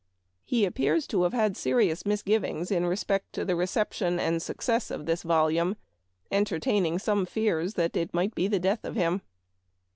He appears to have had serious misgivings in re spect to the reception and success of this vol ume, entertaining some fears that it " might be the death of him."